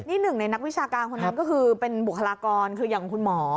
นี่หนึ่งในนักวิชาการคนนั้นก็คือเป็นบุคลากรคืออย่างคุณหมอ